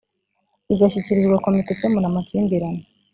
bigashyikirizwa komite ikemura amakimbirane